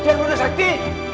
jangan bunuh sakti